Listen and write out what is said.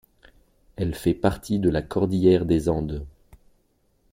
Elle fait partie de la cordillère des Andes.